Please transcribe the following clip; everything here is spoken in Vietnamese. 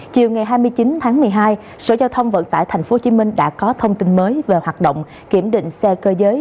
chiều ngày hai mươi chín tháng một mươi hai sở giao thông vận tải tp hcm đã có thông tin mới về hoạt động kiểm định xe cơ giới